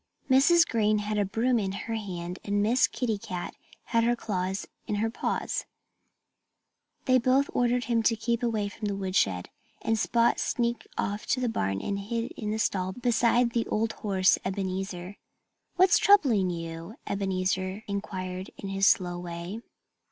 Mrs. Green had a broom in her hand and Miss Kitty Cat had her claws in her paws. They both ordered him to keep away from the woodshed. And Spot sneaked off to the barn and hid in the stall beside the old horse Ebenezer. "What's troubling you?" Ebenezer inquired in his slow way.